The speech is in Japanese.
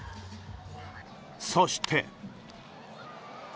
そして。